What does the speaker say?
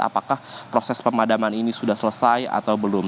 apakah proses pemadaman ini sudah selesai atau belum